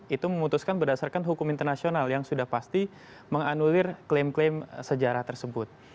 itu memutuskan berdasarkan hukum internasional yang sudah pasti menganulir klaim klaim sejarah tersebut